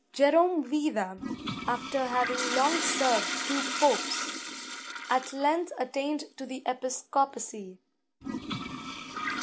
Jerome Vida, after having long served two Popes, at length attained to the episcopacy.